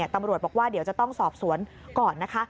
ตำรวจบอกว่าเดี๋ยวจะต้องสอบสวนก่อนนะคะ